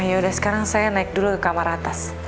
yaudah sekarang saya naik dulu ke kamar atas